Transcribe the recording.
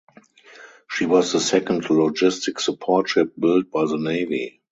She was the second logistic support ship built by the Navy.